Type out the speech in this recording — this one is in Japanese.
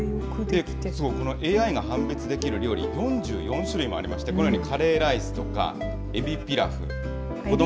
このＡＩが判別できる料理、４４種類もありまして、このようにカレーライスとか、エビピラフ。